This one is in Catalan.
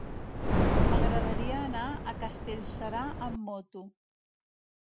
M'agradaria anar a Castellserà amb moto.